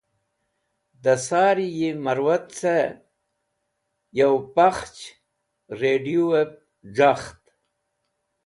Da sari yi mẽrwat ce yo pakhch radũwẽb j̃akht.